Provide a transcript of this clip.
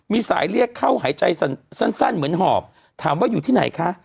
มีสายเรียกเข้าหายใจสั้นเหมือนหอบถามว่าอยู่ที่ไหนคะ